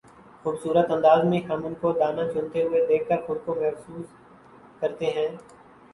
خوبصورت انداز میں ہم ان کو دانہ چنتے ہوئے دیکھ کر خود کو محظوظ کرتے ہیں